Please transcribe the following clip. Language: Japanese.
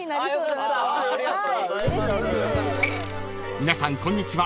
［皆さんこんにちは